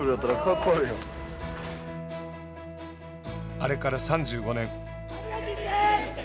あれから３５年。